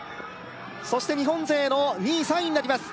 そして日本勢の２位３位になります